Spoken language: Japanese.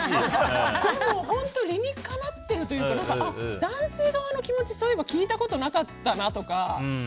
でも、本当に理にかなっているというか男性側の気持ち、そういえば聞いたことなかったなとか。